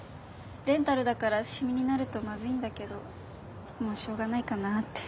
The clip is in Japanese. レンタルだから染みになるとまずいんだけどもうしょうがないかなって。